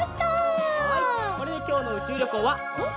はいこれできょうのうちゅうりょこうはおしまい！